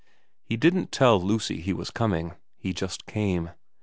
He didn't tell Lucy he was coming, he just came.